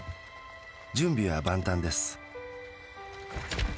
準備は万端です。